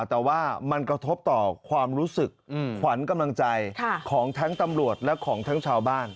แต่ว่ามันกระทบต่อความรู้สึกขวัญกำลังใจของทั้งตำรวจและของทั้งชาวบ้าน